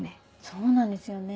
そうなんですよね。